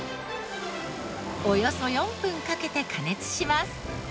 およそ４分かけて加熱します。